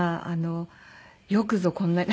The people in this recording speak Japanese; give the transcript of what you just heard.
よくぞこんなに。